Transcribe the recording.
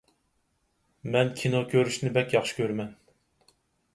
مەن كىنو كۆرۈشنى بەك ياخشى كۆرىمەن.